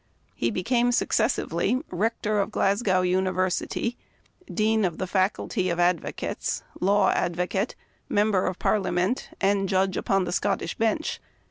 He became successively Rector of Glasgow University, Dean of the Faculty of Advo cates, Law Advocate, Member of Parliament, and Judge upon the Scottish Bench.